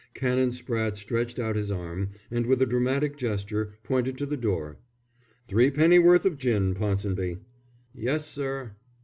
Canon Spratte stretched out his arm, and with a dramatic gesture pointed to the door. "Threepennyworth of gin, Ponsonby." "Yes, sir."